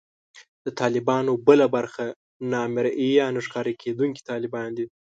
د طالبانو بله برخه نامرئي یا نه ښکارېدونکي طالبان دي